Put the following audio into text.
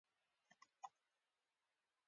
مړه د زړه ژور خالي ځای نیولې ده